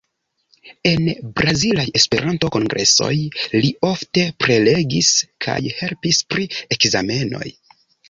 En brazilaj Esperanto-kongresoj li ofte prelegis kaj helpis pri ekzamenoj.